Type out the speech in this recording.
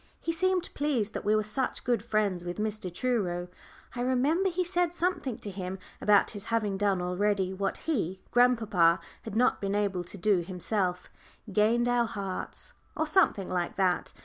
He seemed pleased that we were such good friends with Mr. Truro. I remember he said something to him about his having done already what he grandpapa had not been able to do himself "gained our hearts," or something like that.